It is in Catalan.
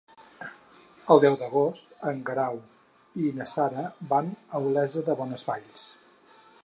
El deu d'agost en Guerau i na Sara van a Olesa de Bonesvalls.